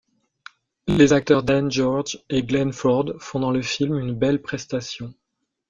Les acteurs Dan George et Glenn Ford font dans le film une belle prestation.